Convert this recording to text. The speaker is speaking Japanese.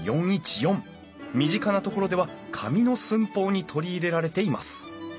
身近なところでは紙の寸法に取り入れられています。